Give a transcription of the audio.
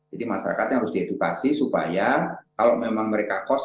jadi masyarakatnya harus diedukasi supaya kalau memang mereka kos